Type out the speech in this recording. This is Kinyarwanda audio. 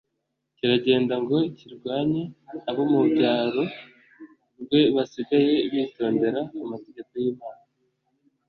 kiragenda ngo kirwanye abo mu mbyaro rwe basigaye bitondera amategeko y'Imana